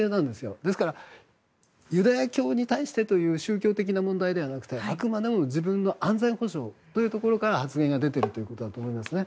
ですから、ユダヤ教に対してという宗教的な問題ではなくてあくまでも自分の安全保障というところから発言が出ているということだと思います。